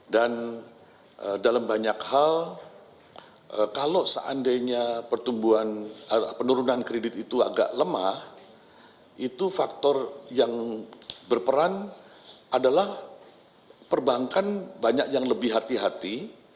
dan dalam banyak hal kalau seandainya penurunan kredit itu agak lemah itu faktor yang berperan adalah perbankan banyak yang lebih hati hati